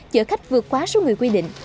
chở khách vượt quá số người quy định